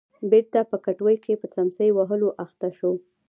بېرته په کټوې کې په څمڅۍ وهلو اخته شو.